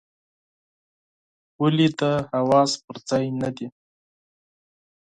ولي دي حواس پر ځای نه دي ؟